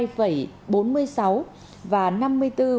và năm mươi bốn ba triệu đồng một lượng